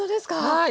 はい。